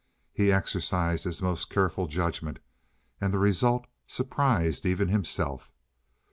He exercised his most careful judgment, and the result surprised even himself.